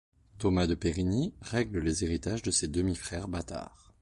Thomas de Perrigny règle les héritages de ses demi-frères bâtards.